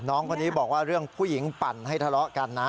น้องคนนี้บอกว่าเรื่องผู้หญิงปั่นให้ทะเลาะกันนะ